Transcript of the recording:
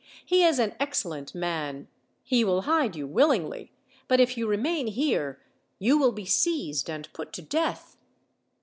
He is an excellent[man he will hide you willingly; but if you remain here you will be seized and put to death."